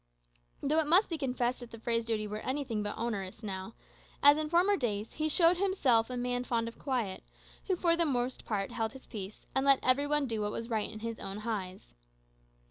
Though it must be confessed that the Fray's duties were anything but onerous; now, as in former days, he showed himself a man fond of quiet, who for the most part held his peace, and let every one do what was right in his own eyes.